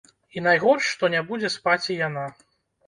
І найгорш, што не будзе спаць і яна.